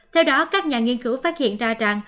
theo đó các nhà nghiên cứu phát hiện ra